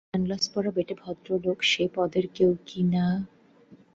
সানগ্লাস-পরা বেঁটে ভদ্রলোক সেই পদের কেউ কি না কে বলবে?